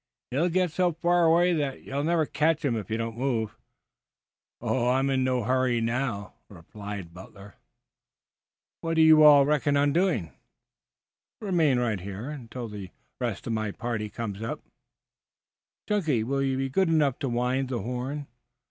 He'll get so far away that you'll never catch him if you don't move." "I am in no hurry now," replied Butler. "What do you all reckon on doing?" "Remain right here until the rest of my party comes up." The stranger started. "Chunky, will you be good enough to wind the horn?"